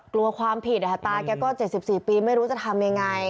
กลัวความผิดตาแกก็๗๔ปีไม่รู้จะทำยังไง